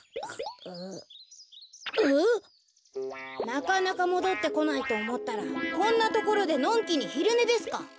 なかなかもどってこないとおもったらこんなところでのんきにひるねですか。